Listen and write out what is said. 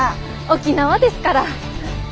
沖縄ですから。